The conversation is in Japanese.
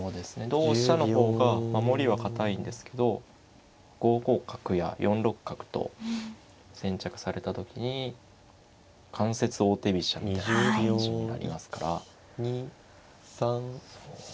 同飛車の方が守りは堅いんですけど５五角や４六角と先着された時に間接王手飛車みたいな感じになりますから。